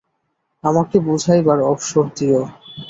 আমাকে বুঝাইবার অবসর দিয়ো।